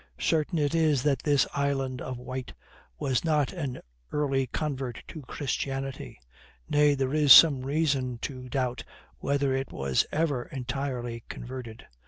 Certain it is that this island of Wight was not an early convert to Christianity; nay, there is some reason to doubt whether it was ever entirely converted.